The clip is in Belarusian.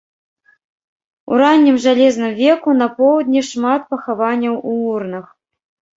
У раннім жалезным веку на поўдні шмат пахаванняў у урнах.